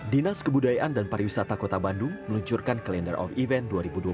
dinas kebudayaan dan pariwisata kota bandung meluncurkan kalender of event dua ribu dua puluh tiga